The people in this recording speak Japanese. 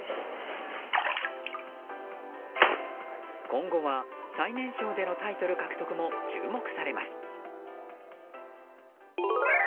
今後は、最年少でのタイトル獲得も注目されます。